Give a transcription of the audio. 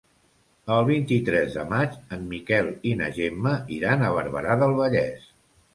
El vint-i-tres de maig en Miquel i na Gemma iran a Barberà del Vallès.